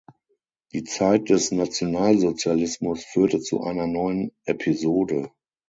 Die Zeit des Nationalsozialismus führte zu einer neuen Episode.